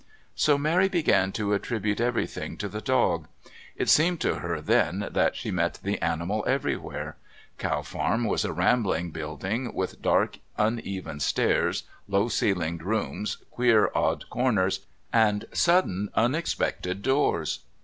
So Mary began to attribute everything to the dog. It seemed to her then that she met the animal everywhere. Cow Farm was a rambling building, with dark, uneven stairs, low ceilinged rooms, queer, odd corners, and sudden unexpected doors.